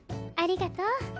ありがとう。